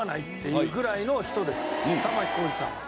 玉置浩二さんは。